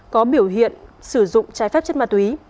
có biểu hiện sử dụng trái phép chất ma túy